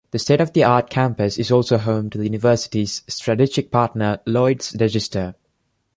The state-of-the-art campus is also home to the University's strategic partner Lloyd's Register.